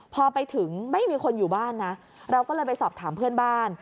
พอไปถึงไม่มีคนอยู่บ้านนะเราก็เลยไปสอบถามเพื่อนบ้าน